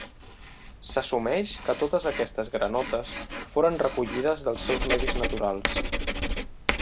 S'assumeix que totes aquestes granotes foren recollides dels seus medis naturals.